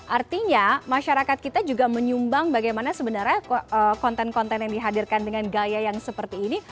artinya masyarakat kita juga menyumbang bagaimana sebenarnya konten konten yang dihadirkan dengan gaya yang seperti ini